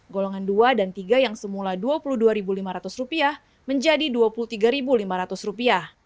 golongan dua dan tiga yang semula rp dua puluh dua lima ratus menjadi rp dua puluh tiga lima ratus